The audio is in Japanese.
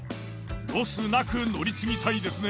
ロスなく乗り継ぎたいですね。